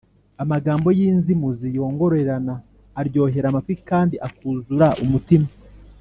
amagambo y’inzimuzi yongorerana aryohera amatwi, kandi akuzura umutima